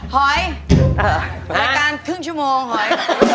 หอยรายการครึ่งชั่วโมงหอย